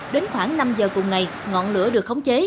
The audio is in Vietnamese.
đến khoảng năm giờ cùng ngày ngọn lửa được khống chế